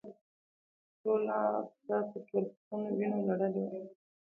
ټوله پښه په توربخونو وينو لړلې وه.